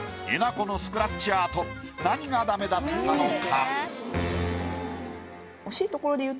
このスクラッチアート何がダメだったのか？